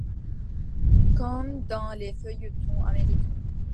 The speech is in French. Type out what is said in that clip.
Comme dans les feuilletons américains.